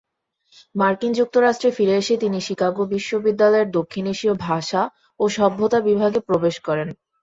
মার্কিন যুক্তরাষ্ট্রে ফিরে এসে তিনি শিকাগো বিশ্ববিদ্যালয়ের দক্ষিণ এশীয় ভাষা ও সভ্যতা বিভাগে প্রবেশ করেন।